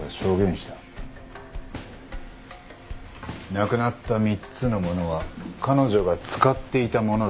なくなった３つの物は彼女が使っていた物だそうだ。